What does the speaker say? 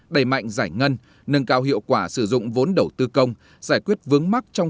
đẩy mạnh giải ngân nâng cao hiệu quả sử dụng vốn đầu tư công giải quyết vướng mắc trong